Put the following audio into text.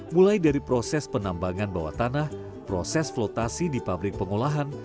mulai dari proses penambangan bawah tanah proses flotasi di pabrik pengolahan